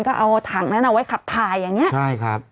ก็เอาถังนั้นเอาไว้ขับถ่ายอย่างเงี้ใช่ครับ